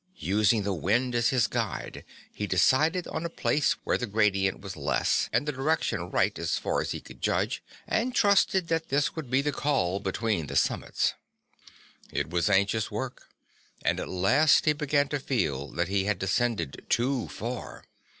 Using the wind as his guide he decided on a place where the gradient was less and the direction right as far as he could judge and trusted that this would be the col between the summits. It was anxious work and at last he began to feel that he had descended too far.